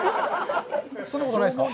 そんなことないですか。